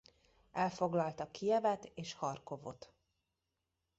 Elfoglalta Kijevet és Harkovot.